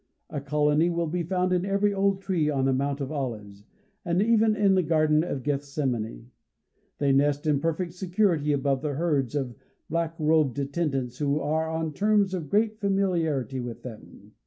A colony will be found in every old tree on the Mount of Olives, and even in the "garden of Gethsemane," they nest in perfect security above the heads of the black robed attendants, who are on terms of great familiarity with them.